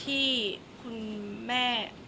แต่ขวัญไม่สามารถสวมเขาให้แม่ขวัญได้